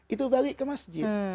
itu balik ke masjid